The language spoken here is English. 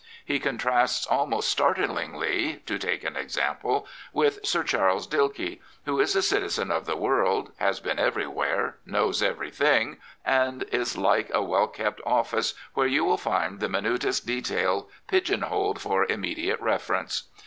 He contrasts almost startlingly — to take an example — with Sir Charles Dilke, who is a citizen of the world, has been everywhere, knows everything, is like a well kept ofSce where you will find the minutest detail pigeon holed for immediate reference.